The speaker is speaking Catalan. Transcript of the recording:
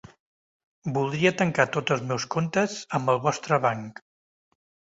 Voldria tancar tots els meus comptes amb el vostre banc.